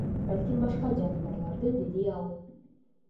Балким, башка жаныбарларды, — деди ал.